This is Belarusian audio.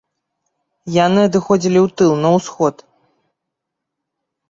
Яны адыходзілі ў тыл, на ўсход.